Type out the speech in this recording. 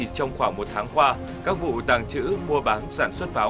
thực tế chỉ trong khoảng một tháng qua các vụ tàng trữ mua bán sản xuất pháo